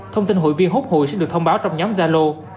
thông tin hội viên hút hội sẽ được thông báo trong nhóm gia lô